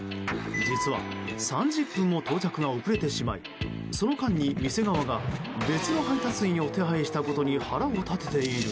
実は、３０分も到着が遅れてしまいその間に店側が別の配達員を手配したことに腹を立てている。